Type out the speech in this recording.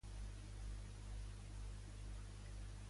En Narendra Modi i celebren el seu triomf en les eleccions a l'Índia.